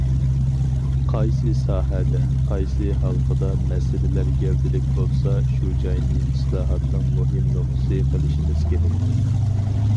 قايسى ساھەدە، قايسى ھالقىدا مەسىلىلەر گەۋدىلىك بولسا، شۇ جاينى ئىسلاھاتنىڭ مۇھىم نۇقتىسى قىلىشىمىز كېرەك.